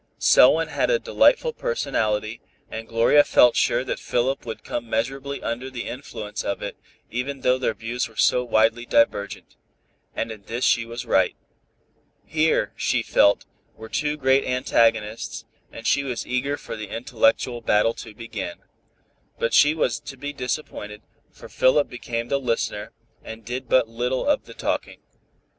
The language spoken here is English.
Selwyn had a delightful personality, and Gloria felt sure that Philip would come measurably under the influence of it, even though their views were so widely divergent. And in this she was right. Here, she felt, were two great antagonists, and she was eager for the intellectual battle to begin. But she was to be disappointed, for Philip became the listener, and did but little of the talking.